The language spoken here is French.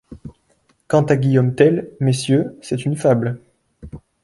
Quant à Guillaume Tell, messieurs, c'est une fable.